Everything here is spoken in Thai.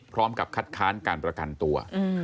พร้อมกับคัดค้านการประกันตัว